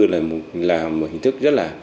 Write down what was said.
là một hình thức rất là